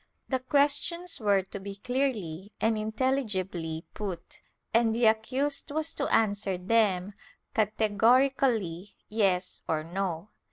The questions were to be clearly and intelligibly put, and the accused was to answer them categorically, yes or no.